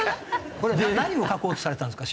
これ何を書こうとされてたんですか？